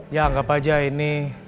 ya anggap aja ini